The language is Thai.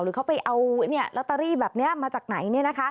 เขาไปเอาลอตเตอรี่แบบนี้มาจากไหน